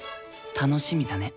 楽しみだね。